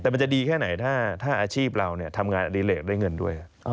แต่มันจะดีแค่ไหนถ้าอาชีพเราทำงานอดิเลกได้เงินด้วย